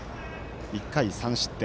１回、３失点。